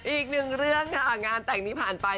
อีกหนึ่งเรื่องค่ะงานแต่งนี้ผ่านไป